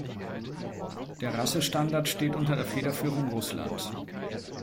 Der Rassestandard steht unter der Federführung Russlands.